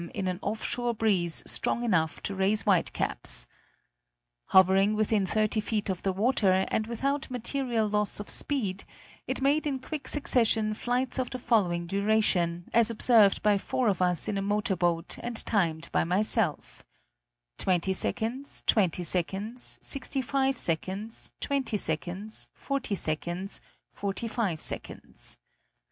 in an off shore breeze strong enough to raise whitecaps. Hovering within 30 feet of the water, and without material loss of speed, it made in quick succession flights of the following duration, as observed by four of us in a motor boat and timed by myself: 20 seconds, 20 seconds, 65 seconds, 20 seconds, 40 seconds, 45 seconds.